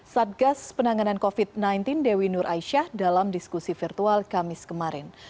satgas penanganan covid sembilan belas dewi nur aisyah dalam diskusi virtual kamis kemarin